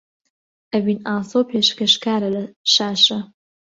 ئەڤین ئاسۆ پێشکەشکارە لە شاشە